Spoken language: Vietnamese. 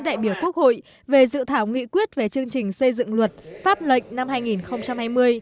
đại biểu quốc hội về dự thảo nghị quyết về chương trình xây dựng luật pháp lệnh năm hai nghìn hai mươi